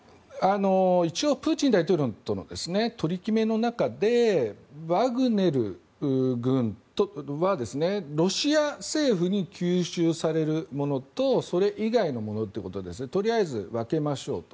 一応、プーチン大統領との取り決めの中でワグネル軍はロシア政府に吸収されるものとそれ以外のものということでとりあえず分けましょうと。